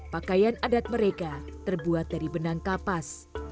pakaian adat mereka terbuat dari benang kapas